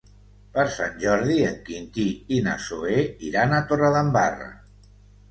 Per Sant Jordi en Quintí i na Zoè iran a Torredembarra.